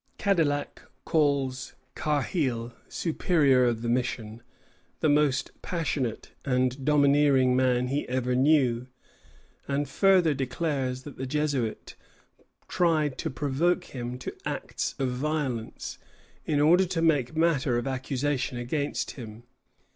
" Cadillac calls Carheil, superior of the mission, the most passionate and domineering man he ever knew, and further declares that the Jesuit tried to provoke him to acts of violence, in order to make matter of accusation against him.